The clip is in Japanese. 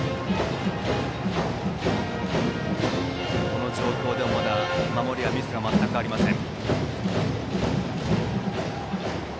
この状況でもまだ守りはミスが全くありません。